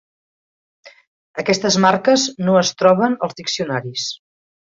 Aquestes marques no es troben als diccionaris.